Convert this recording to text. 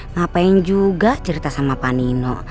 ngapain juga cerita sama panino